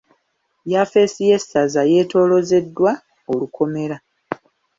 Yafesi y'essaza yetoolozeddwa olukomera.